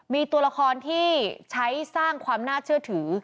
มีตัวละครที่ใช้สร้างความน่าเชื่อถือ